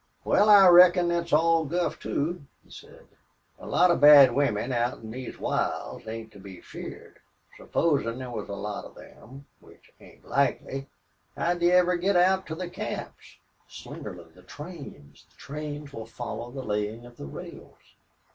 "Wal, I reckon thet's all guff too," he said. "A lot of bad women out in these wilds ain't to be feared. Supposin' thar was a lot of them which ain't likely how'd they ever git out to the camps?" "Slingerland, the trains the trains will follow the laying of the rails!"